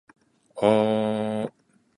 ぁー